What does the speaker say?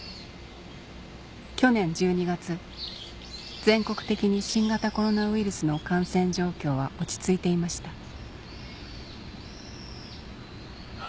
去年１２月全国的に新型コロナウイルスの感染状況は落ち着いていました